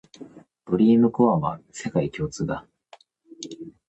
ドリームコアは世界共通だ